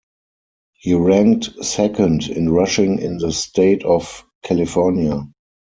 He ranked second in rushing in the state of California.